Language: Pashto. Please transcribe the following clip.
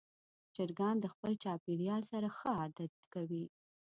چرګان د خپل چاپېریال سره ښه عادت کوي.